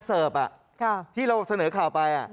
เสิร์ฟที่เราเสนอข่าวไป